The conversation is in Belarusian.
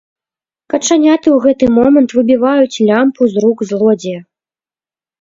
Качаняты ў гэты момант выбіваюць лямпу з рук злодзея.